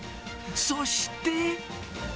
そして。